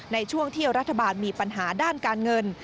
ในช่วงที่รัฐบาลมีปัญหาด้านการเงิน